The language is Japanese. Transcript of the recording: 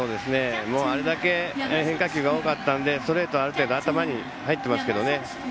あれだけ変化球が多かったのでストレートはある程度頭に入ってますけどね。